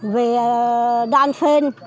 về đàn phên